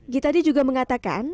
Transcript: gita ditega juga mengatakan